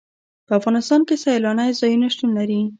په افغانستان کې سیلانی ځایونه شتون لري.